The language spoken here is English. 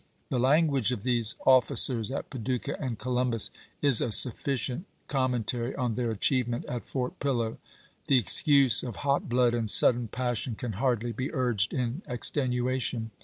The lan guage of these officers at Paducah and Columbus is a sufficient commentary on their achievement at Fort Pniow. The excuse of hot blood and sudden passion can hardly be urged in extenuation.